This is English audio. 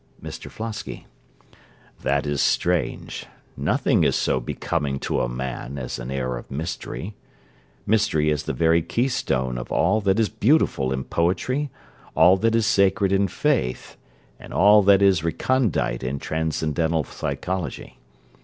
MR FLOSKY That is strange: nothing is so becoming to a man as an air of mystery. Mystery is the very key stone of all that is beautiful in poetry, all that is sacred in faith, and all that is recondite in transcendental psychology.